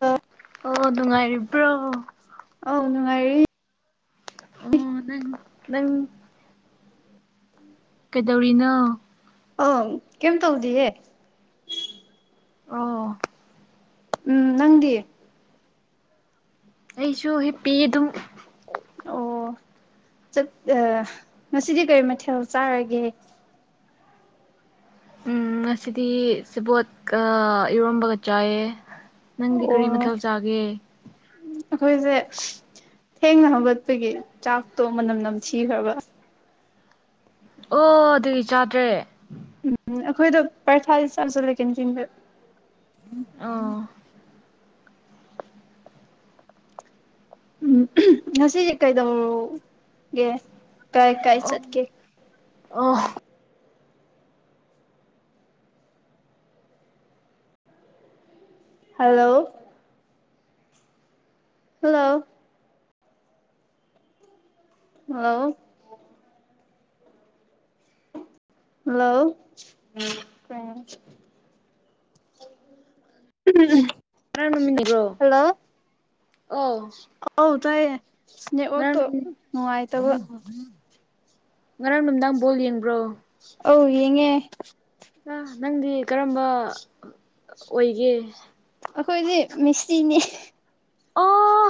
ꯑ [inaudible] ꯑꯣ ꯅꯨꯡꯉꯥꯏꯔꯤꯕ꯭ꯔꯣ ꯑꯧ ꯅꯨꯡꯉꯥꯏꯔꯤ ꯑꯣ ꯅꯪ ꯅꯪ ꯀꯩꯗꯧꯔꯤꯅꯣ ꯑꯣ ꯀꯦꯝ ꯍꯧꯗꯦꯌꯦ ꯑꯣ ꯎꯝ ꯅꯪꯗꯤ ꯑꯩꯁꯨ ꯍꯤꯞꯄꯤ ꯑꯗꯨꯝ ꯑꯣ ꯆꯠ ꯑꯝ ꯉꯁꯤꯗꯤ ꯀꯔꯤ ꯃꯊꯦꯜ ꯆꯥꯔꯒꯦ ꯎꯝ ꯉꯁꯤꯗꯤ ꯁꯦꯕꯣꯠꯀ ꯏꯔꯣꯟꯝꯕꯒ ꯆꯥꯏꯌꯦ ꯅꯪꯗꯤ ꯑꯣ ꯀꯔꯤ ꯃꯊꯦꯜ ꯆꯥꯒꯦ ꯑꯩꯈꯣꯏꯁꯦ ꯊꯦꯡꯅ ꯍꯧꯒꯠꯄꯒꯤ ꯆꯥꯛꯇꯣ ꯃꯅꯝ ꯅꯝ ꯊꯤꯈ꯭ꯔꯕ ꯑꯣ ꯑꯗꯨꯒꯤ ꯆꯥꯗ꯭ꯔꯦ ꯎꯝ ꯑꯩꯈꯣꯏꯗꯣ ꯄꯔꯊꯥ ꯆꯥꯁꯤꯜꯂꯦ ꯀꯦꯟꯇꯤꯜꯗ ꯑꯣ ꯎꯝ ꯉꯁꯤꯁꯦ ꯀꯩꯗꯧꯒꯦ ꯀꯥꯏ ꯀꯥꯏ ꯆꯠꯀꯦ ꯑꯣꯐ ꯍꯜꯂꯣ ꯍꯜꯂꯣ ꯍꯜꯂꫭ ꯍꯜꯂꯣ ꯎ ꯉꯔꯥꯡ ꯅꯨꯃꯤꯠ ꯕ꯭ꯔꯣ [inaudible] ꯍꯦꯜꯂꯣ ꯑꯣ ꯑꯨ ꯇꯥꯏꯌꯦ ꯉꯔꯥꯡ ꯅꯦꯠꯋꯥꯛꯇꯣ ꯅꯨꯃꯤꯠ ꯑꯣ ꯅꯨꯡꯉꯥꯏꯇꯕ ꯉꯔꯥꯡ ꯅꯨꯃꯤꯗꯥꯡ ꯕꯣꯜ ꯌꯦꯡꯕ꯭ꯔꯣ ꯑꯧ ꯌꯦꯡꯉꯦ ꯑ ꯅꯪꯗꯤ ꯀꯔꯝꯕ ꯑꯣꯏꯒꯦ ꯑꯩꯈꯣꯏꯗꯤ ꯃꯤꯁꯤ ꯅꯦ ꯑꯣ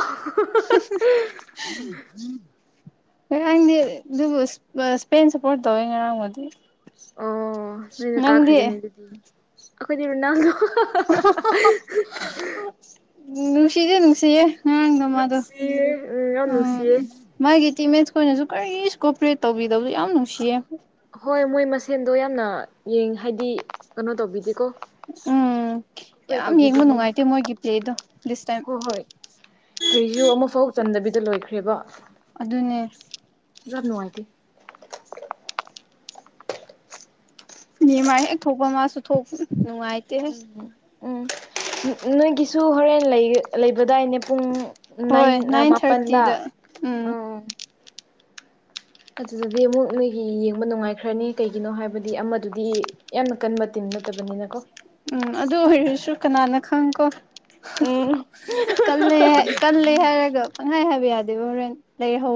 ꯎꯝ [inaudible] ꯉꯔꯥꯡꯗꯤ ꯑꯗꯨꯕꯨ ꯏꯁꯄꯦꯟ ꯁꯄꯣꯔꯠ ꯇꯧꯋꯦ ꯉꯔꯥꯡꯕꯨꯗꯤ ꯑꯣ ꯅꯣꯏꯅ ꯅꯪꯗꯤ ꯀꯥꯈ꯭ꯔꯥꯒꯅꯤ ꯑꯗꯨꯗꯤ ꯑꯩꯈꯣꯏꯗꯤ ꯂꯣꯅꯥꯜꯗꯣ ꯅꯨꯡꯁꯤꯌꯦ ꯅꯨꯡꯁꯤꯌꯦ ꯎꯝ ꯅꯃ ꯑꯗꯨ ꯅꯨꯡꯁꯤꯌꯦ ꯌꯥꯝ ꯎꯝ ꯅꯨꯡꯁꯤꯌꯦ [inaudible] ꯃꯥꯒꯤ ꯇꯤꯝꯃꯦꯠꯁ ꯈꯣꯏꯅꯁꯨ ꯀꯔꯤꯁꯨ ꯀꯣꯑꯣꯄꯔꯦꯠ ꯇꯧꯕꯤꯗꯕꯁꯨ ꯌꯥꯝ ꯅꯨꯡꯁꯤꯌꯦ ꯍꯣꯏ ꯃꯣꯏ ꯃꯁꯦꯟꯗꯣ ꯌꯥꯝꯅ ꯌꯦꯡ ꯍꯥꯏꯗꯤ ꯀꯩꯅꯣ ꯇꯧꯕꯤꯗꯦꯀꯣ ꯎꯝ ꯀꯣꯄꯔꯦꯠ ꯌꯥꯝ ꯇꯧꯕꯤꯗꯦ ꯌꯦꯡꯕ ꯃꯣꯏꯅ ꯅꯨꯡꯉꯥꯏꯇꯦ ꯃꯣꯏꯒꯤ ꯄ꯭ꯂꯦꯗꯣ ꯗꯤꯁ ꯇꯥꯏꯝ ꯀꯔꯤꯖꯨ ꯑꯃꯐꯥꯎ ꯆꯟꯗꯕꯤꯗ ꯂꯣꯏꯈ꯭ꯔꯦꯕ ꯑꯗꯨꯅꯦ ꯌꯥꯝ ꯅꯨꯡꯉꯥꯏꯇꯦ ꯅꯦꯃꯥꯔ ꯍꯦꯛ ꯊꯣꯛꯄ ꯃꯥꯁꯨ ꯊꯣꯛꯄ ꯎꯝ ꯅꯨꯡꯉꯥꯏꯇꯦꯍꯦ ꯎꯝ ꯅꯣꯏꯒꯤꯁꯨ ꯍꯣꯔꯦꯟ ꯂꯩ ꯂꯩꯕꯗꯥꯏꯅꯦ ꯄꯨꯡ ꯅꯏꯟ ꯍꯣꯏ ꯑ ꯅꯥꯏꯟ ꯅꯄꯟꯗ ꯊꯥꯔꯇꯤꯗ ꯎꯝ ꯑꯪ ꯑꯗꯨꯗꯗꯤ ꯑꯃꯨꯛ ꯅꯣꯏꯒꯤ ꯌꯦꯡꯕ ꯅꯨꯡꯉꯥꯏꯈ꯭ꯔꯅꯤ ꯀꯩꯒꯤꯅꯣ ꯍꯥꯏꯕꯗꯤ ꯑꯃꯗꯨꯗꯤ ꯌꯥꯝꯅ ꯀꯟꯕ ꯇꯤꯝ ꯅꯠꯇꯕꯅꯤꯅꯀꯣ ꯎꯝ ꯑꯗꯨ ꯑꯣꯏꯔꯁꯨ ꯀꯅꯥꯅ ꯈꯪꯀꯣ ꯎꯝ ꯀꯜꯂꯦ ꯍꯥꯏ ꯀꯜꯂꯦ ꯍꯥꯏꯔꯒ ꯄꯪꯍꯥꯏ ꯍꯥꯏꯕ ꯌꯥꯗꯦꯕ ꯍꯣꯔꯦꯟ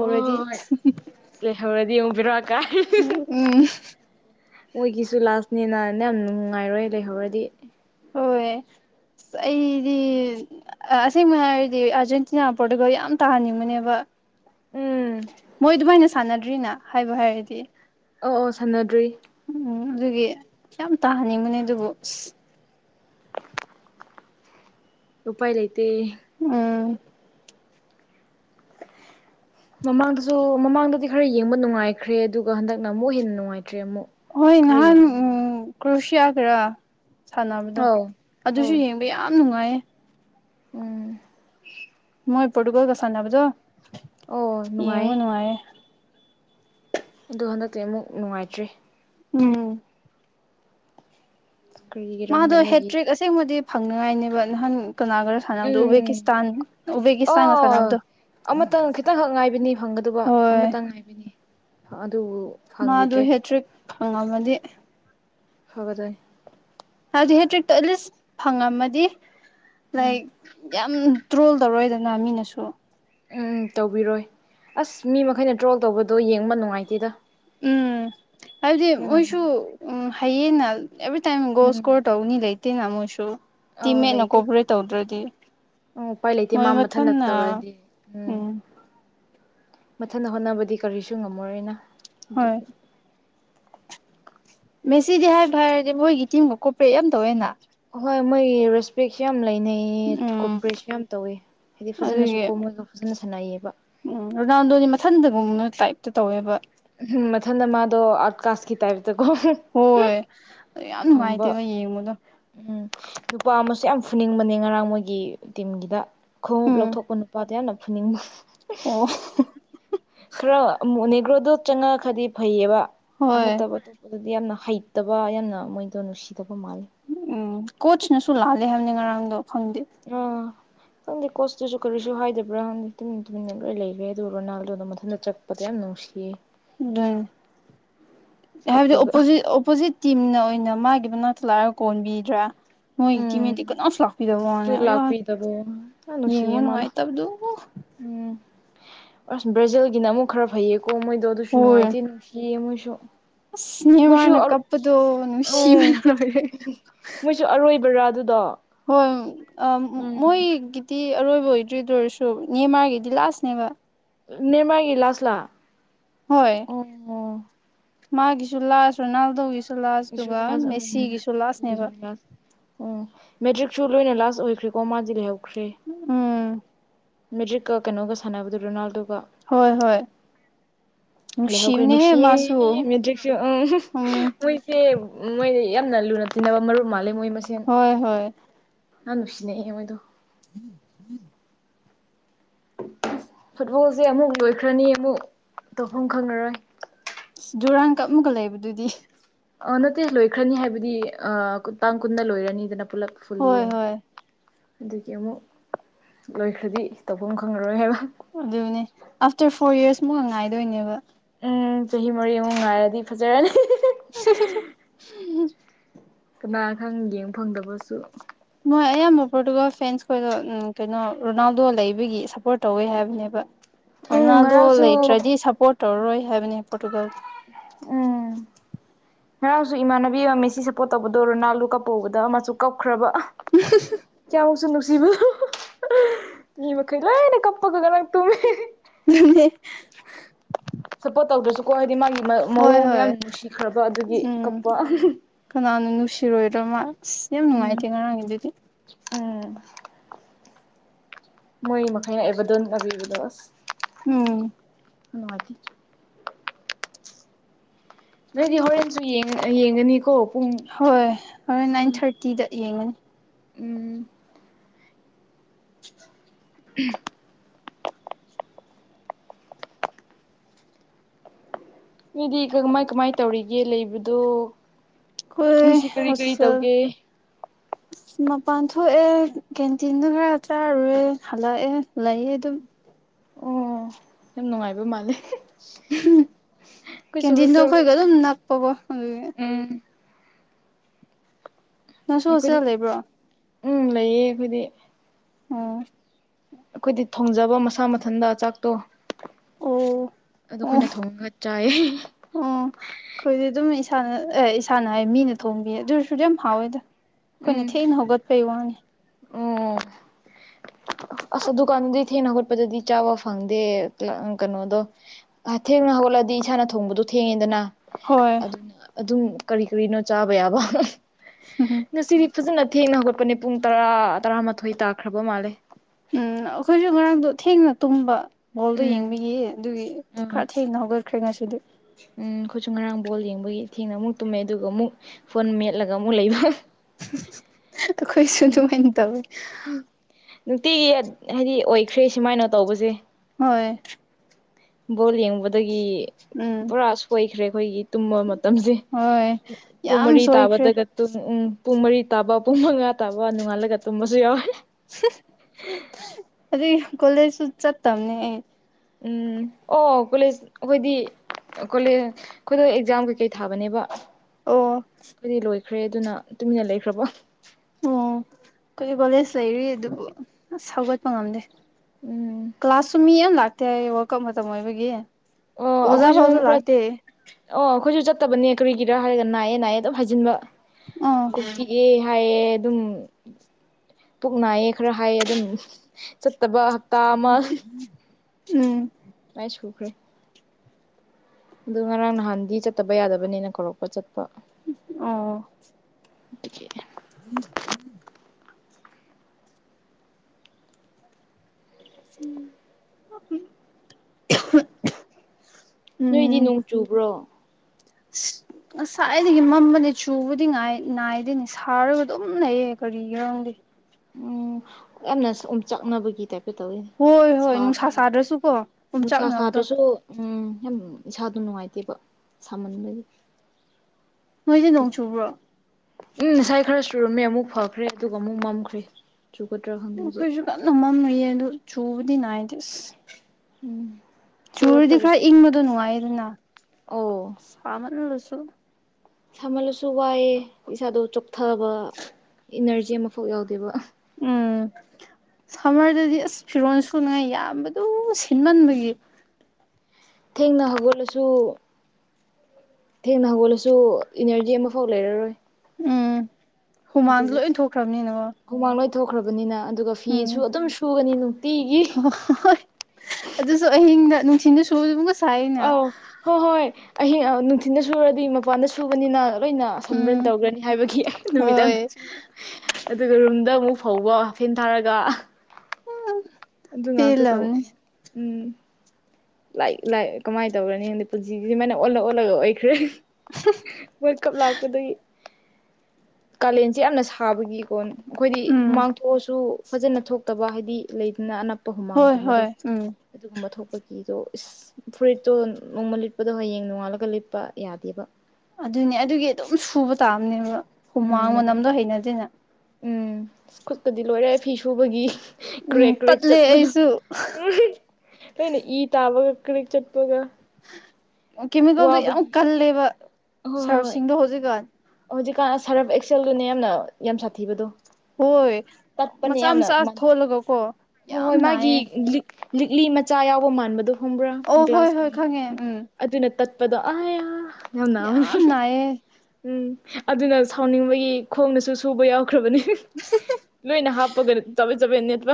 ꯍꯣꯏ ꯍꯣꯏ ꯂꯩꯍꯧꯔꯗꯤ ꯑꯃꯨꯛ ꯕꯦꯔꯥ ꯀꯥꯏ [unintelligible] ꯃꯣꯏꯒꯤꯁꯨ ꯂꯥꯁꯅꯅ ꯅꯌꯥꯝ ꯅꯨꯡꯉꯥꯏꯔꯣꯏ ꯂꯩꯍꯧꯔꯗꯤ ꯍꯣꯏ ꯑꯁ ꯑꯩꯗꯤ ꯑ ꯑꯁꯦꯡꯕꯩ ꯍꯥꯏꯔꯗꯤ ꯑꯥꯔꯖꯦꯟꯇꯤꯅꯥ ꯄꯣꯔꯇꯨꯒꯜ ꯌꯥꯝ ꯇꯥꯍꯟꯅꯤꯡꯕꯅꯦꯕ ꯎꯝ ꯃꯣꯏ ꯑꯗꯨꯃꯥꯏꯅ ꯁꯥꯟꯅꯗ꯭ꯔꯤꯅ ꯍꯥꯏꯕ ꯍꯥꯏꯔꯗꯤ ꯑꯧ ꯑꯧ ꯁꯥꯟꯅꯗ꯭ꯔꯤ ꯎꯝ ꯑꯗꯨꯒꯤ ꯌꯥꯝ ꯇꯥꯍꯟꯅꯤꯡꯕꯅꯦ ꯑꯗꯨꯕꯨ ꯑꯁ ꯎꯄꯥꯥꯏ ꯂꯩꯇꯦ ꯎꯝ [inaudible] ꯃꯃꯥꯡꯗꯁꯨ ꯃꯃꯥꯡꯗꯗꯤ ꯈꯔ ꯌꯦꯡꯕ ꯅꯨꯡꯉꯥꯏꯈ꯭ꯔꯦ ꯑꯗꯨꯒ ꯍꯟꯗꯛꯅ ꯑꯃꯨꯛ ꯍꯦꯟꯅ ꯅꯨꯡꯉꯥꯏꯇ꯭ꯔꯦ ꯑꯃꯨꯛ ꯍꯣꯏ ꯈꯔ ꯅꯍꯥꯟ ꯌꯦꯡꯕ ꯎꯝ ꯅꯨꯡꯉꯥꯏ ꯀ꯭ꯔꯨꯁꯤꯌꯥꯒꯔꯥ ꯁꯥꯟꯅꯕꯗꯣ ꯑꯧ ꯑꯗꯨꯁꯨ ꯑꯧ ꯌꯦꯡ ꯕꯌꯥꯝ ꯅꯨꯡꯉꯥꯏꯌꯦ ꯎꯝ ꯃꯣꯏ ꯄꯣꯔꯇꯨꯒꯜꯒ ꯁꯥꯟꯅꯕꯗꯣ ꯑꯣ ꯌꯦꯡꯕ ꯅꯨꯡꯉꯥꯏꯌꯦ ꯅꯨꯡꯉꯥꯏꯌꯦ ꯑꯗꯣ ꯍꯟꯗꯛꯇꯤ ꯑꯃꯨꯛ ꯅꯨꯡꯉꯥꯏꯇ꯭ꯔꯤ ꯎꯝ ꯀꯔꯤꯒꯤꯔ ꯃꯥꯗꯣ ꯈꯪꯗꯦ ꯃꯣꯏꯒꯤ ꯍꯦꯇ꯭ꯔꯤꯛ ꯑꯁꯦꯡꯕꯗꯤ ꯐꯪꯅꯉꯥꯏꯅꯦꯕ ꯅꯍꯥꯟ ꯀꯅꯥꯒꯔ ꯁꯥꯟꯅꯕꯗꯣ ꯎꯝ ꯎꯕꯦꯀꯤꯁꯇꯥꯟ ꯎꯕꯦꯀꯤꯁꯇꯥꯟꯒ ꯑꯣ ꯁꯥꯟꯅꯕꯗꯣ ꯑꯃꯇꯪ ꯈꯤꯇꯪꯈꯛ ꯉꯥꯏꯕꯅꯤ ꯐꯪꯒꯗꯕ ꯍꯣꯏ ꯑꯃꯇꯪ ꯉꯥꯏꯕꯅꯤ ꯑꯗꯨꯕꯨ ꯃꯥꯗꯨ ꯐꯪꯈꯤꯗ꯭ꯔꯦ ꯍꯦꯇ꯭ꯔꯤꯛ ꯐꯪꯉꯝꯃꯗꯤ ꯐꯥꯒꯗꯣꯏꯅꯤ ꯍꯥꯏꯕꯗꯤ ꯍꯦꯇ꯭ꯔꯤꯛꯇꯣ ꯑꯦꯠꯂꯤꯁ ꯐꯪꯉꯝꯃꯗꯤ ꯎꯝ ꯂꯥꯏꯛ ꯌꯥꯝ ꯇ꯭ꯔꯣꯜ ꯇꯧꯔꯣꯏꯗꯅ ꯃꯤꯅꯁꯨ ꯎꯝ ꯇꯧꯕꯤꯔꯣꯏ ꯑꯁ ꯃꯤ ꯃꯈꯩꯅ ꯇ꯭ꯔꯣꯜ ꯇꯧꯕꯗꯣ ꯌꯦꯡꯕ ꯅꯨꯡꯉꯥꯏꯇꯦꯗ ꯎꯝ ꯍꯥꯏꯕꯗꯤ ꯑꯗꯨꯅ ꯃꯥ ꯃꯣꯏꯁꯨ ꯎꯝ ꯍꯌꯦꯡꯅ ꯑꯦꯕ꯭ꯔꯤꯇꯥꯏꯝ ꯒꯣꯜ ꯎꯝ ꯁꯀꯣꯔ ꯇꯧꯅꯤ ꯂꯩꯇꯦꯅ ꯃꯣꯏꯁꯨ ꯑꯧ ꯇꯤꯝꯃꯦꯠꯅ ꯂꯩꯇꯦ ꯀꯣꯑꯣꯄꯔꯦꯠ ꯇꯧꯗ꯭ꯔꯗꯤ ꯎꯝ ꯎꯄꯥꯏ ꯂꯩꯇꯦ ꯃꯣꯏ ꯃꯥ ꯃꯊꯟꯗ ꯃꯊꯟꯅ ꯇꯧꯔꯛꯑꯗꯤ ꯎꯝ ꯃꯊꯟꯗ ꯍꯣꯅꯕꯗꯤ ꯀꯔꯤꯁꯨ ꯉꯝꯃꯔꯣꯏꯅ ꯍꯣꯏ ꯑꯗꯨꯒꯤ ꯃꯦꯁꯤꯗꯤ ꯍꯥꯏꯕ ꯍꯥꯏꯔꯗꯤ ꯃꯣꯏꯒꯤ ꯇꯤꯝꯒ ꯀꯣꯑꯣꯄꯔꯦꯠ ꯌꯥꯝ ꯇꯧꯋꯦꯅ ꯍꯣꯏ ꯃꯣꯏ ꯔꯦꯁꯄꯦꯛꯁꯨ ꯌꯥꯝ ꯂꯩꯅꯩꯌꯦ ꯌꯦ ꯎꯝ ꯀꯣꯄ꯭ꯔꯦꯁꯨ ꯌꯥꯝ ꯇꯧꯋꯦ ꯍꯥꯏꯗꯤ ꯐꯖꯅꯁꯨ ꯑꯗꯨꯒꯤ ꯀꯣ ꯃꯣꯏꯗꯣ ꯐꯖꯅ ꯁꯥꯟꯅꯩꯌꯦꯕ ꯎꯝ ꯔꯣꯅꯥꯜꯗꯣꯗꯤ ꯃꯊꯟꯗꯒꯨꯝꯅ ꯇꯥꯏꯞꯇ ꯇꯧꯋꯦꯕ ꯎꯝ ꯃꯊꯟꯗ ꯃꯥꯗꯣ ꯑꯥꯎꯠꯀꯥꯁꯀꯤ ꯇꯥꯏꯞꯇꯀꯣ ꯍꯣꯏ ꯌꯥꯝ ꯊꯝꯕ ꯅꯨꯡꯉꯥꯏꯇꯦꯕ ꯌꯦꯡꯕꯗꯣ ꯎꯝ ꯅꯨꯄꯥ ꯑꯃꯁꯨ ꯌꯥꯝ ꯐꯨꯅꯤꯡꯕꯅꯦ ꯉꯔꯥꯡ ꯃꯣꯏꯒꯤ ꯇꯤꯝꯒꯤꯗ ꯈꯣꯡꯎꯞ ꯎꯝ ꯂꯧꯊꯣꯛꯄ ꯅꯨꯄꯥꯗꯣ ꯌꯥꯝꯅ ꯐꯨꯅꯤꯡꯕ ꯑꯣ ꯈꯔ ꯅꯒ꯭ꯔꯣꯗꯣ ꯆꯪꯉꯛꯑ ꯈ꯭ꯔꯗꯤ ꯐꯩꯌꯦꯕ ꯑ ꯍꯣꯏ ꯅꯠꯇꯕꯗꫭ ꯑꯗꯨꯗꯤ ꯌꯥꯝꯅ ꯍꯩꯇꯕ ꯌꯥꯝꯅ ꯃꯣꯏꯗꯣ ꯅꯨꯡꯁꯤꯗꯕ ꯃꯥꯜꯂꯤ ꯎꯝ ꯀꯣꯆꯅꯁꯨ ꯂꯥꯜꯂꯦ ꯍꯥꯏꯕꯅꯤ ꯉꯔꯥꯡꯗꯣ ꯈꯪꯗꯦ ꯑꯥ ꯈꯪꯗꯗꯤ ꯀꯣꯁꯇꯨꯁꯨ ꯀꯔꯤꯁꯨ ꯍꯥꯏꯗꯕ꯭ꯔꯥ ꯍꯪꯗꯤꯛ ꯇꯨꯃꯤꯟꯅ ꯇꯨꯃꯤꯟꯅ ꯂꯣꯏ ꯂꯩꯔꯦ ꯑꯗꯨ ꯔꯣꯅꯥꯜꯗꯣꯗꯣ ꯃꯊꯟꯇ ꯆꯠ ꯄꯗꫭ ꯌꯥꯝ ꯅꯨꯡꯁꯤꯌꯦ ꯎꯗꯨꯅꯦ ꯍꯥꯏꯕꯗꯤ ꯀꯞꯄꯒ ꯑꯣꯄꯣꯖꯤ ꯑꯣꯄꯣꯖꯤꯠ ꯇꯤꯝꯅ ꯑꯣꯏꯅ ꯃꯥꯒꯤ ꯃꯅꯥꯛꯇ ꯂꯥꯛꯑꯒ ꯀꯣꯟꯕꯤꯗ꯭ꯔꯥ ꯃꯣꯏ ꯎꯝ ꯇꯤꯝꯃꯦꯠꯗꯤ ꯀꯅꯥꯁꯨ ꯁꯨ ꯂꯐꯤꯗꯕꯣꯅꯦ ꯑꯌꯥ [inaudible] ꯌꯦꯡꯕ ꯃꯥꯅ ꯋꯥꯥꯏꯇꯕꯗꯨ ꯎꯝ ꯑꯁ ꯕ꯭ꯔꯥꯖꯤꯜꯒꯤꯅ ꯑꯃꯨꯛ ꯈꯔ ꯐꯩꯌꯦꯀꯣ ꯃꯣꯏꯗꯣ ꯑꯗꯨꯁꯨ ꯍꯣꯏ ꯅꯨꯡꯉꯥꯏꯇꯦ ꯅꯨꯡ ꯁꯤꯌꯦ ꯃꫭꯏꯁꯨ ꯑꯁ ꯅꯤꯃꯥꯔꯅ ꯀꯞꯗꯨ ꯎꯝ ꯅꯨꯡꯁꯤꯕꯅ ꯂꫭꯏꯔꯦ ꯃꯣꯏꯁꯨ ꯑꯔꯣꯏꯕꯔꯥ ꯑꯗꯨꯗꯣ ꯍꯣꯏ ꯑ ꯎꯝ ꯃꯣꯏꯒꯤ ꯇꯤ ꯑꯔꯣꯏꯕ ꯑꯣꯏꯗ꯭ꯔꯤ ꯗꯨꯑꯣꯏꯔꯁꯨ ꯅꯦꯃꯥꯔꯒꯤꯗꯤ ꯂꯥꯁꯅꯦꯕ ꯅꯦꯃꯥꯔꯒꯤ ꯂꯥꯁꯂ ꯍꯣꯏ ꯃꯥꯒꯤꯁꯨ ꯂꯥꯁ ꯔꯨꯅꯥꯜꯗꯧꯒꯤꯁꯨ ꯂꯥꯁ ꯏꯁꯨꯔ ꯑꯗꯨꯒ ꯂꯥꯁ ꯃꯦꯁꯤꯒꯤꯁꯨ ꯂꯥꯁꯅꯦꯕ ꯑꯣ ꯃꯦꯇ꯭ꯔꯤꯛꯁꯨ ꯂꯣꯏꯅ ꯂꯥꯁ ꯑꯣꯏꯈ꯭ꯔꯦꯀꯣ ꯃꯥꯗꯤ ꯂꯩꯍꯧꯈ꯭ꯔꯦ ꯎꯝ ꯃꯦꯗ꯭ꯔꯤꯛꯀ ꯀꯩꯅꯣꯒ ꯁꯥꯟꯅꯕꯗꯨ ꯔꯣꯅꯥꯜꯗꯨꯣꯒ ꯍꯣꯏ ꯍꯣꯏ ꯂꯩꯍꯧꯈ꯭ꯔꯦ ꯅꯨꯡꯁꯤꯕꯅꯦꯍꯦ ꯅꯨꯡꯁꯤꯌꯦ ꯃꯥꯁꯨ ꯃꯦꯠꯇ꯭ꯔꯤꯛꯁꯨ ꯑꯪ ꯎꯝ ꯃꯣꯏ ꯁꯦ ꯃꯣꯏꯅ ꯌꯥꯝꯅ ꯂꯨꯅ ꯇꯤꯟꯅꯕ ꯃꯔꯨꯞ ꯃꯥꯜꯂꯦ ꯃꯣꯏ ꯃꯁꯦ ꯍꯣꯏ ꯍꯣꯏ ꯌꯥꯝꯥꯟ ꯅꯨꯡꯁꯤꯅꯦꯍꯦ ꯃꯣꯏꯗꯣ [inaudible] ꯐꯨꯠꯕꯣꯜꯁꯦ ꯑꯃꯨꯛ ꯂꯣꯏꯈ꯭ꯔꯅꯤ ꯑꯃꯨꯛ ꯇꯧꯐꯝ ꯈꯪꯉꯔꯣꯏ ꯗꯨꯔꯥꯟ ꯀꯞ ꯑꯃꯨꯀ ꯂꯩꯕꯗꯨꯗꯤ ꯑ ꯅꯠꯇꯦ ꯂꯣꯏꯈ꯭ꯔꯅꯤ ꯍꯥꯏꯕꯗꯤ ꯇꯥꯡ ꯀꯨꯟꯗ ꯂꯣꯏꯔꯅꯤꯗꯅ ꯄꯨꯂꯞ ꯐꯨꯜꯂꯤ ꯍꯣꯏ ꯑꯣꯏꯅ ꯍꯣꯏ ꯑꯗꯨꯒꯤ ꯑꯃꯨꯛ ꯂꯣꯏꯈ꯭ꯔꯗꯤ ꯇꯧꯐꯝ ꯈꯪꯉꯔꯣꯏ ꯍꯥꯏꯕ ꯑꯗꯨꯅꯦ ꯑꯥꯐꯇꯔ ꯐꯣꯔ ꯏꯌꯥꯔꯁ ꯃꯨꯛꯀ ꯉꯥꯏꯗꯣꯏꯅꯦꯕ ꯎꯝ ꯆꯍꯤ ꯃꯔꯤꯃꯨꯛ ꯉꯥꯏꯔꯗꯤ ꯐꯖꯔꯅꯤ [unintelligible] ꯀꯅꯥ ꯈꯪ ꯌꯦꯡ ꯐꯪꯗꯕꯁꯨ ꯅꯣꯏ ꯑꯌꯥꯝꯕ ꯄꯣꯠꯇꯒ ꯐꯦꯟꯁ ꯀꯣꯏꯗꯣ ꯀꯩꯅꯣ ꯔꯣꯅꯥꯜꯗꯣ ꯂꯩꯕꯒꯤ ꯁꯞꯄꯣꯔꯠ ꯇꯧꯋꯦ ꯍꯥꯏꯕꯅꯦꯕ ꯎꯝ ꯔꫭꯅꯥꯜꯗꯣ ꯉꯔꯥꯡꯁꯨ ꯂꯩꯇ꯭ꯔꯗꯤ ꯁꯞꯄꯣꯔꯠ ꯇꯧꯔꯔꯣꯏ ꯍꯥꯏꯕꯅꯦ ꯄꯣꯔꯇꯨꯒꯥꯜꯗ ꯎꯝ ꯉꯔꯥꯡꯁꯨ ꯏꯃꯥꯟꯅꯕꯤ ꯑꯃꯃꯦ ꯁꯤ ꯁꯞꯄꯣꯔꯠ ꯇꯧꯕꯗꯣ ꯔꯣꯅꯥꯜꯗꯨ ꯀꯞꯄ ꯎꯕꯗ ꯃꯆꯨ ꯀꯞꯈ꯭ꯔꯕ [unintelligible] ꯁꯨꯅꯨꯡꯁꯤꯕ ꯃꯤ ꯃꯈꯩ ꯂꯣꯏꯅ ꯀꯞꯄꯒ ꯂꯥꯏ ꯇꯨꯝꯃꯦ [unintelligible] ꯁꯞꯄꯣꯔꯠ ꯇꯧꯗ꯭ꯔꯁꯨꯀꯣ ꯍꯥꯏꯗꯤ ꯃꯥꯒꯤ ꯍꯣꯏ ꯃꯑꯣꯡ ꯍꯣꯏ ꯃꯌꯥꯝ ꯅꯨꯡꯁꯤꯈ꯭ꯔꯕ ꯑꯗꯨꯒꯤ ꯀꯞꯄ ꯀꯅꯥꯅꯣ ꯅꯨꯡꯁꯤꯔꯣꯏꯗ꯭ꯔ ꯃꯥ ꯑꯁ ꯌꯥꯝ ꯎꯝ ꯅꯨꯡꯉꯥꯏꯇꯦ ꯉꯔꯥꯡꯒꯤ ꯑꯗꯨꯗꯤ ꯎꯝ ꯃꯣꯏ ꯃꯈꯩ [unintelligible] ꯎꯝ [unintelligible] ꯅꯣꯏꯗꯤ ꯍꯣꯔꯦꯟꯁꯨ ꯌꯦꯡ ꯌꯦꯡꯉꯅꯤꯀꯣ ꯄꯨꯡ ꯍꯣꯏ ꯍꯣꯔꯦꯟ ꯅꯥꯏꯟ ꯎꯝ ꯊꯥꯔꯇꯤꯗ ꯌꯦꯡꯉꯅꯤ ꯎꯝ [unintelligible] [unintelligible] ꯃꯤꯗꯤ ꯀꯀꯃꯥꯏ ꯀꯃꯥꯏ ꯇꯧꯔꯤꯒꯦ ꯂꯩꯕꯗꯣ ꯑꯈꯣꯏ ꯉꯁꯤ ꯀꯔꯤ ꯀꯔꯤ ꯍꯣꯇꯦꯜ ꯇꯧꯒꯦ ꯃꯄꯥꯟ ꯊꯣꯛꯑꯦ ꯀꯦꯟꯇꯤꯟꯗꯨ ꯈꯔ ꯆꯥꯔꯨꯔꯦ ꯍꯜꯂꯛꯑꯦ ꯂꯩꯌꯦ ꯑꯗꯨꯝ ꯑꯣ ꯌꯥꯝ ꯅꯨꯡꯉꯥꯏꯕ ꯃꯥꯜꯂꯦ [unintelligible] ꯑꯩꯈꯣꯏꯁꯨ ꯀꯦꯟꯗꯤꯟꯗꯣ ꯍꯣꯁꯇꯦꯜꯗ ꯑꯩꯈꯣꯏꯒ ꯑꯗꯨꯝ ꯂꯩ ꯅꯛꯄꯕꯣ ꯑꯗꯨ [unintelligible] ꯎꯝ ꯅꯪꯁꯨ ꯑꯩꯈꯣꯏꯗꯤ ꯍꯣꯁꯇꯦꯜꯗ ꯂꯩꯕ꯭ꯔꯣ ꯎꯝ ꯂꯩꯌꯦ ꯑꯩꯈꯣꯏꯗꯤ ꯑꯣ ꯑꯩꯈꯣꯏꯗꯤ ꯊꯣꯡꯖꯕ ꯃꯁꯥ ꯃꯊꯟꯗ ꯆꯥꯛꯇꯣ ꯑꯣ ꯑꯗꯣ ꯑꯩꯈꯣꯏꯅ ꯊꯣꯡꯉꯒ ꯆꯥꯏꯌꯦ [unintelligible] ꯑꯣ__ ꯑꯩꯈꯣꯏꯗꯤ ꯑꯗꯨꯝ ꯏꯁꯥꯅ ꯑꯦ ꯏꯁꯥꯅ ꯍꯥꯏ ꯃꯤꯅ ꯊꯣꯡꯕꯤꯌꯦ ꯑꯗꯨ ꯑꯣꯏꯔꯁꯨ ꯌꯥꯝ ꯍꯥꯎꯋꯦꯗ ꯑꯩꯈꯣꯏꯅ ꯎꯝ ꯊꯦꯡꯅ ꯍꯧꯒꯠꯄꯩ ꯋꯥꯅꯤ ꯑꯣ ꯑꯁ ꯑꯗꯨꯀꯥꯟꯗꯗꯤ ꯊꯦꯡꯅ ꯍꯧꯒꯠꯄꯗꯗꯤ ꯆꯥꯕ ꯐꯪꯗꯦ ꯀ꯭ꯂꯥꯛ ꯑ ꯀꯩꯅꯣꯗꯣ ꯑ ꯊꯦꯡꯅ ꯍꯧꯒꯠꯂꯗꯤ ꯏꯁꯥꯅ ꯊꯣꯡꯕꯗꯣ ꯊꯦꯡꯉꯦꯗꯅ ꯍꯣꯏ ꯑꯗꯨꯅ ꯑꯗꯨꯝ ꯀꯔꯤ ꯀꯔꯤꯅꯣ ꯆꯥꯕ ꯌꯥꯕ [unintelligible] [unintelligible] ꯉꯁꯤꯗꯤ ꯐꯖꯅ ꯊꯦꯡꯅ ꯍꯧꯒꯠꯄꯅꯦ ꯄꯨꯡ ꯇꯔꯥ ꯇꯔꯥꯃꯥꯊꯣꯏ ꯇꯥꯈ꯭ꯔꯕ ꯃꯥꯜꯂꯦ ꯎꯝ ꯑꯩꯈꯣꯏꯁꯨ ꯉꯔꯥꯡꯗꯣ ꯊꯦꯡꯅ ꯇꯨꯝꯕ ꯕꯣꯜꯗꯣ ꯎꯝ ꯌꯦꯡꯕꯒꯤ ꯑꯗꯨꯒꯤ ꯎꯝ ꯈꯔ ꯊꯦꯡꯅ ꯍꯧꯒꯠꯈ꯭ꯔꯦ ꯉꯁꯤꯗꯤ ꯎꯝ ꯑꯩꯈꯣꯏꯁꯨ ꯉꯔꯥꯡ ꯕꯣꯜ ꯌꯦꯡꯕꯒꯤ ꯊꯦꯡꯅ ꯑꯃꯨꯛ ꯇꯨꯝꯃꯦ ꯑꯗꯨꯒ ꯑꯃꯨꯛ ꯐꯣꯟ ꯃꯦꯠꯂꯒ ꯑꯃꯨꯛ ꯂꯩꯕ [unintelligible] [unintelligible] ꯑꯩꯈꯣꯏꯁꯨ ꯑꯗꯨꯃꯥꯏꯅ ꯇꯧꯋꯦ ꯅꯨꯡꯇꯤꯒꯤ ꯌꯠ ꯍꯥꯏꯗꯤ ꯑꯣꯏꯈ꯭ꯔꯦ ꯁꯨꯃꯥꯏꯅ ꯇꯧꯕꯁꯦ ꯍꯣꯏ ꯕꯣꯜ ꯌꯦꯡꯕꯗꯒꯤ ꯎꯝ ꯀ꯭ꯔꯥꯁ ꯁꯣꯏꯈ꯭ꯔꯦ ꯑꯩꯈꯣꯏꯒꯤ ꯇꯨꯝꯕ ꯃꯇꯝꯁꯦ ꯍꯣꯏ ꯄꯨꯨ ꯄꯨꯡ ꯌꯥꯝ ꯃꯔꯤ ꯁꯣꯏꯈ꯭ꯔꯦ ꯇꯥꯕꯗꯒ ꯑꯗꯨꯅꯤ ꯎꯝ ꯄꯨꯡ ꯃꯔꯤ ꯇꯥꯕ ꯄꯨꯡ ꯃꯉꯥ ꯇꯥꯕ ꯅꯣꯡꯉꯥꯜꯂꯒ ꯇꯨꯝꯕꯁꯨ ꯌꯥꯎꯋꯦ [unintelligible] ꯑꯗꯨꯏ ꯀꯣꯂꯦꯖꯁꯨ ꯆꯠꯇꯕꯅꯦ ꯑꯩ ꯎꯝ ꯑꯣ ꯀꯣꯂꯦꯖ ꯑꯩꯈꯣꯏꯗꯤ ꯑ ꯀꯣꯂꯦꯖ ꯑꯩꯈꯣꯏꯗꯣ ꯑꯦꯛꯖꯥꯝ ꯀꯩꯀꯩ ꯊꯥꯕꯅꯦꯕ ꯑꯣ [unintelligible] ꯂꯣꯏꯈ꯭ꯔꯦ ꯑꯗꯨꯅ ꯇꯨꯃꯤꯟꯅ ꯂꯩꯈ꯭ꯔꯕꯣ ꯑꯣ ꯑꯩꯈꯣꯏꯁꯨ ꯀꯣꯂꯦꯖ ꯂꯩꯔꯤ ꯑꯗꯨꯕꯨ ꯑꯁ ꯍꯧꯒꯠꯄ ꯉꯝꯗꯦ ꯎꯝ ꯀ꯭ꯂꯥꯁꯁꯨ ꯃꯤ ꯌꯥꯝ ꯂꯥꯛꯇꯦ ꯍꯥꯏ ꯋꯥꯔꯜ ꯀꯞ ꯃꯇꯝ ꯑꯣꯏꯕꯒꯤ ꯑꯣ ꯑꯣꯖꯥ ꯑꯩꯈꯣꯏꯁꯨ ꯐꯥꯎꯁꯨ ꯈꯪꯕ꯭ꯔꯥ ꯂꯥꯛꯇꯦ ꯑꯣ ꯑꯩꯈꯣꯏꯁꯨ ꯆꯠꯇꯕꯅꯦ ꯀꯔꯤꯒꯤꯔꯥ ꯍꯥꯏꯔꯒ ꯅꯥꯏꯌꯦ ꯅꯥꯏꯌꯦ ꯑꯗꯨꯝ ꯍꯥꯏꯖꯤꯟꯕ ꯑꯣ ꯀꯣꯛꯆꯤꯛꯑꯦ ꯍꯥꯏꯌꯦ ꯑꯗꯨꯝ ꯄꯨꯛ ꯅꯥꯏꯌꯦ ꯈꯔ ꯍꯥꯏꯌꯦ ꯑꯗꯨꯝ ꯆꯠꯇꯕ ꯍꯞꯇꯥ ꯑꯃ [unintelligible] ꯎꯝ ꯃꯥꯏ ꯁꯨꯈ꯭ꯔꯦ ꯑꯗꯨ ꯉꯔꯥꯡ ꯅꯍꯥꯟꯗꯤ ꯆꯠꯇꯕ ꯌꯥꯗꯕꯅꯤꯅ ꯀꯧꯔꯛꯄ ꯆꯠꯄ ꯑ ꯑꯗꯨꯒꯤ ꯎꯝ [inaudible] ꯅꯣꯏꯗꯤ ꯅꯣꯡ ꯆꯨꯕ꯭ꯔꯣ [inaudible] ꯉꯁꯥꯏꯗꯒꯤ ꯃꯝꯕꯅꯦ ꯆꯨꯕꯗꯤ ꯉ ꯅꯥꯏꯗꯅꯦ ꯁꯥꯔꯒ ꯑꯗꯨꯝ ꯂꯩꯌꯦ ꯀꯔꯤꯒꯤꯔꯣꯝꯗꯤ ꯎꯝ ꯌꯥꯝꯅꯁꯨ ꯑꯣꯝ ꯆꯥꯛꯅꯕꯒꯤ ꯇꯥꯏꯞꯇ ꯇꯧꯋꯤ ꯍꯣꯏ ꯍꯣꯏ ꯁꯔ ꯅꯨꯡꯁꯥ ꯁꯥꯗ꯭ꯔꯁꯨꯀꯣ ꯃꯅꯨꯡꯁꯥ ꯑꯣꯝꯆꯥꯛꯅꯕꯗꯣ ꯁꯥꯇꯁꯨ ꯎꯝ ꯌꯥꯝ ꯏꯁꯥꯗꯣ ꯅꯨꯡꯉꯥꯏꯇꯦꯕ ꯁꯥꯃꯟꯕꯒꯤ ꯅꯣꯏꯗꯤ ꯅꯣꯡ ꯆꯨꯕ꯭ꯔꯣ ꯎꯝ ꯉꯁꯥꯏ ꯈꯔ ꯆꯨꯔꯝꯃꯦ ꯑꯃꯨꯛ ꯐꯈ꯭ꯔꯦ ꯑꯗꯨꯒ ꯑꯃꯨꯛ ꯃꯝꯈ꯭ꯔꯦ ꯆꯨꯒꯗ꯭ꯔꯥ ꯈꯪꯗꯦ ꯍꯧꯖꯤꯛ ꯑꯩꯈꯣꯏꯁꯨ ꯀꯟꯅ ꯃꯝꯔꯤꯌꯦ ꯑꯗꯣ ꯆꯨꯕꯗꯤ ꯅꯥꯏꯗꯦ ꯑꯁ ꯎꯝ ꯆꯨꯔꯗꯤ ꯈꯔ ꯄꯨꯔꯛꯇꯕꯁꯤꯅ ꯏꯪꯕꯗꯣ ꯅꯨꯡꯉꯥꯏꯗꯅ ꯑꯧ ꯄꯥꯃꯜꯂꯁꯨ ꯁꯥꯍꯜꯂꯁꯨ ꯋꯥꯏꯑꯦ ꯏꯁꯥꯗꯣ ꯆꯣꯛꯊꯕ ꯏꯅꯔꯖꯤ ꯑꯃꯐꯥꯎ ꯌꯥꯎꯗꯦꯕ ꯎꯝ ꯁꯝꯃꯔꯗꯗꯤ ꯑꯁ ꯐꯤꯔꯣꯜ ꯁꯨꯅꯉꯥꯏ ꯌꯥꯝꯕꯗꯨ ꯁꯤꯟꯃꯟꯕꯒꯤ ꯊꯦꯡꯅ ꯍꯧꯒꯠꯂꯁꯨ ꯊꯦꯡꯅ ꯍꯧꯒꯣꯠꯂꯁꯨ ꯏꯅꯔꯖꯤ ꯑꯃꯐꯥꯎ ꯂꯩꯔꯔꯣꯏ ꯎꯝ ꯍꯨꯃꯥꯡꯁꯨ ꯑꯗꯨꯒꯤ ꯂꯣꯏ ꯊꯣꯛꯈ꯭ꯔꯕꯅꯤꯅꯀꯣ ꯍꯨꯃꯥꯡ ꯂꯣꯏꯊꯣꯛꯈ꯭ꯔꯕꯅꯤꯅ ꯑꯗꯨꯒ ꯎꯝ ꯐꯤꯁꯨ ꯑꯗꯨꯝ ꯁꯨꯒꯅꯤ ꯅꯨꯡꯇꯤꯒꯤ ꯑꯗꯨꯁꯨ ꯑꯍꯤꯡꯗ ꯅꯨꯡꯁꯤꯗꯨ ꯁꯨ ꯑꯗꯨꯝꯒ ꯁꯥꯏꯅ ꯑꯧ ꯍꯣꯏ ꯍꯣꯏ ꯑꯍꯤꯡ ꯅꯨꯡꯊꯤꯅ ꯁꯨꯔꯗꯤ ꯃꯄꯥꯟꯗ ꯁꯨꯕꯅꯤꯅ ꯂꯣꯏꯅ ꯎꯝ ꯁꯟꯕ꯭ꯔꯟ ꯇꯧꯈ꯭ꯔꯅꯤ ꯍꯥꯏꯕꯒꯤ ꯑꯩ ꯅꯨꯃꯤꯗꯥꯡ ꯍꯣꯏ ꯑꯗꯨꯒ ꯔꯨꯝꯗ ꯑꯃꯨꯛ ꯐꯧꯕ ꯐꯦꯟ ꯊꯥꯔꯒ ꯑ ꯑꯗꯨ ꯉꯥꯛꯇ ꯇꯧꯋꯤ ꯎꯝ ꯂꯥꯏꯛ ꯂꯥꯏꯛ ꯀꯃꯥꯏꯅ ꯇꯧꯔꯅꯤ ꯈꯪꯗꯗꯤ ꯄꯨꯟꯁꯤ ꯁꯤꯃꯅ ꯑꯣꯜꯂ ꯑꯣꯜꯂꯒ ꯑꯣꯏꯈ꯭ꯔꯦ ꯋꯥꯔꯜ ꯀꯞ ꯂꯥꯛꯄꯗ ꯀꯥꯂꯦꯟꯁꯦ ꯌꯥꯝꯅ ꯁꯥꯕꯒꯤꯀꯣ ꯑꯩꯈꯣꯏꯗꯤ ꯎꯝ ꯍꯨꯃꯥꯡ ꯊꯣꯛꯑꯁꯨ ꯐꯖꯅ ꯊꯣꯛꯇꯕ ꯍꯥꯏꯗꯤ ꯂꯩꯗꯅ ꯑꯅꯛꯄ ꯍꯣꯏ ꯍꯨꯃꯥꯡꯒꯨꯝꯕꯗꯣ ꯍꯣꯏ ꯎꯝ ꯑꯗꯨꯒꯨꯝꯕ ꯊꯣꯛꯄꯒꯤꯗꯣ ꯏꯁ ꯐꯨꯔꯤꯠꯇꯣ ꯅꯣꯡꯃ ꯂꯤꯠꯄꯗꯣ ꯍꯌꯦꯡ ꯅꯣꯡꯉꯥꯜꯂꯒ ꯂꯤꯠꯄ ꯌꯥꯗꯦꯕ ꯑꯗꯨꯅꯦ ꯑꯗꯨꯒꯤ ꯑꯗꯨꯝ ꯁꯨꯕ ꯇꯥꯕꯅꯦꯕ ꯎꯝ ꯍꯨꯃꯥꯡ ꯃꯅꯝ ꯃꯅꯝꯗꯣ ꯍꯩꯅꯗꯦꯅ ꯎꯝ ꯈꯨꯠꯀꯗꯤ ꯂꯣꯏꯔꯦ ꯐꯤ ꯁꯨꯕꯒꯤ ꯎꯝ ꯀ꯭ꯔꯦꯛ ꯀ꯭ꯔꯦꯛ ꯇꯠꯂꯦ ꯆꯠꯄꯒ ꯑꯩꯁꯨ ꯂꯣꯏꯅ ꯏ ꯇꯥꯕꯒ ꯀ꯭ꯔꯦꯛ ꯆꯠꯄꯒ ꯀꯦꯃꯤꯀꯦꯜꯗꯣ ꯌꯥꯝ ꯋꯥꯕꯒꯤ ꯀꯜꯂꯦꯕ ꯍꯣꯏ ꯍꯣꯏ ꯁꯥꯔꯞꯁꯤꯡꯗꯣ ꯍꯧꯖꯤꯛꯀꯥꯟ ꯍꯧꯖꯤꯛꯀꯥꯟ ꯁꯔꯞ ꯑꯦꯛꯁꯦꯜꯗꯨꯅꯦ ꯌꯥꯝꯅ ꯌꯥꯝ ꯁꯥꯊꯤꯕꯗꯣ ꯍꯣꯏ ꯇꯠꯄꯅꯦ ꯃꯆꯥ ꯌꯥꯝꯅ ꯃꯆꯥ ꯃꯥꯒꯤ ꯊꯣꯜꯂꯒ ꯀꯣ ꯍꯣꯏ ꯍꯣꯏ ꯃꯥꯒꯤ ꯂꯤꯛ ꯂꯤꯛꯂꯤ ꯃꯆꯥ ꯌꯥꯎꯕ ꯃꯥꯟꯕꯗꯣ ꯈꯡꯕ꯭ꯔꯥ ꯑꯣ ꯍꯣꯏ ꯒ꯭ꯂꯥꯁ ꯍꯣꯏ ꯈꯪꯉꯦ ꯎꯝ ꯑꯗꯨꯅ ꯇꯠꯄꯗꯣ ꯑꯌꯥ ꯌꯥꯝ ꯅꯥ ꯎꯝ ꯑꯗꯨꯅ ꯁꯥꯎꯅꯤꯡꯕꯒꯤ ꯈꯣꯡꯅꯁꯨ ꯁꯨꯕ ꯌꯥꯎꯈ꯭ꯔꯕꯅꯤ ꯂꯣꯏꯅ ꯍꯥꯞꯄꯒꯅꯤ ꯇꯃꯦ ꯆꯕ ꯑꯅꯤꯠꯇ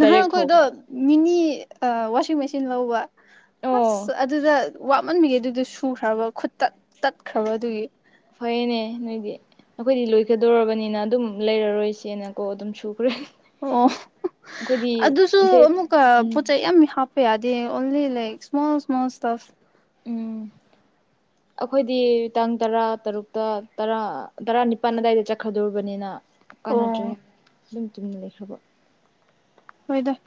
ꯅꯍꯥꯟ ꯑꯩꯈꯣꯏꯗꯣ ꯃꯤꯅꯤ ꯋꯥꯁꯤꯡ ꯃꯦꯆꯤꯟ ꯂꯧꯕ ꯑꯣ ꯑꯁ ꯑꯗꯨꯗ ꯋꯥꯠꯃꯟꯕꯤꯒꯦ ꯑꯗꯨꯗ ꯁꯨꯈ꯭ꯔꯕ ꯈꯨꯠꯇꯠ ꯇꯠꯈ꯭ꯔꯕ ꯑꯗꯨꯒꯤ ꯐꯩꯌꯦꯅꯦ ꯅꯣꯏꯗꯤ ꯑꯩꯈꯣꯏꯗꯤ ꯂꯣꯏꯒꯗꯣꯔꯕꯅꯤꯅ ꯑꯗꯨꯝ ꯂꯩꯔꯔꯣꯏꯁꯦꯅꯀꯣ ꯑꯗꯨꯝ ꯁꯨꯈ꯭ꯔꯦ ꯑꯣ ꯑꯩꯈꯣꯏꯗꯤ ꯑꯗꯨꯁꯨ ꯗꯦꯠ ꯑꯃꯨꯛꯀ ꯎꯝ ꯄꯣꯠꯆꯩ ꯌꯥꯝ ꯍꯥ ꯍꯥꯏꯗꯤꯦ ꯑꯣꯟꯂꯤ ꯂ ꯏꯁꯃꯣꯜ ꯏꯁꯣꯜ ꯁꯇꯥꯐ ꯎꯝ ꯑꯩꯈꯣꯏꯗꯤ ꯇꯥꯡ ꯇꯔꯥ ꯇꯔꯨꯛꯇ ꯇꯔꯥ ꯇꯔꯥꯅꯤꯄꯥꯜ ꯑꯗꯥꯏꯗ ꯆꯠꯈ꯭ꯔꯗꯣꯔꯕꯅꯤꯅ ꯀꯥꯟꯅꯗ꯭ꯔꯦ ꯑꯣ ꯑꯗꯨꯝ ꯇꯨꯝꯃꯤꯟꯅ ꯂꯩꯈ꯭ꯔꯕ ꯍꯣꯏꯗ